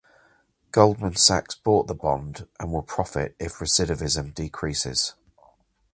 Goldman Sachs bought the bond and will profit if recidivism decreases.